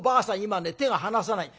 今ね手が離せない。